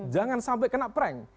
jangan sampai kena prank